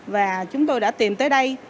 và chúng tôi đã tìm tới đây